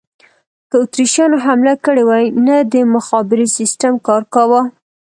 که اتریشیانو حمله کړې وای، نه د مخابرې سیسټم کار کاوه.